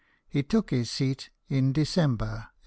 He took his seat in December, 1863.